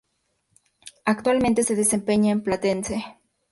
Actualmente se desempeña en Platense.